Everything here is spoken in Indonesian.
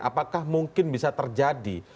apakah mungkin bisa terjadi